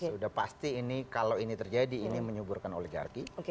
sudah pasti ini kalau ini terjadi ini menyuburkan oligarki